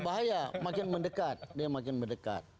bahaya makin mendekat dia makin mendekat